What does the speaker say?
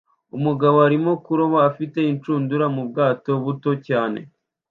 Umugabo arimo kuroba afite inshundura mu bwato buto cyane